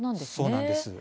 そうなんです。